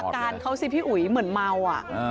มาตัวนี้ครับ